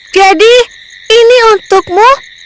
jadi ini untukmu